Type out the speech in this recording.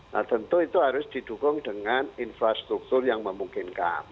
nah tentu itu harus didukung dengan infrastruktur yang memungkinkan